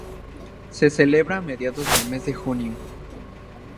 Se celebra a mediados del mes de junio.